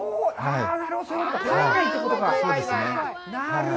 なるほど、そういうことか。